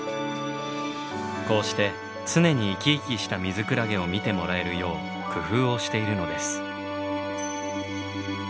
こうして常に生き生きしたミズクラゲを見てもらえるよう工夫をしているのです。